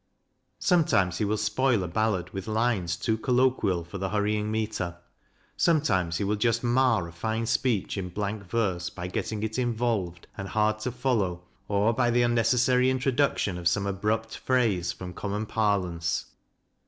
Sometimes he will spoil a ballad with lines too colloquial for the hurrying metre; sometimes he will just mar a fine speech in blank verse by getting it involved, and hard to follow, or by the unnecessary introduction of some abrupt phrase from common parlance.